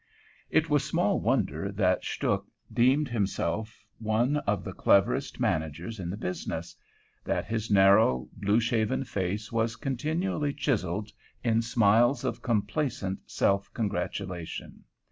It was small wonder that Stuhk deemed himself one of the cleverest managers in the business; that his narrow, blue shaven face was continually chiseled in smiles of complacent self congratulation.